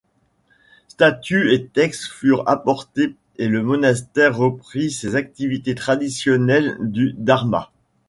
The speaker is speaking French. Statues et textes furent apportés et le monastère reprit ses activités traditionnelles du dharma.